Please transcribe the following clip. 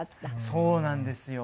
そうなんですよ。